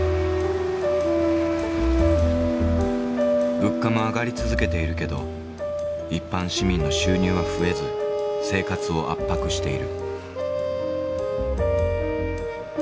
物価も上がり続けているけど一般市民の収入は増えず生活を圧迫している。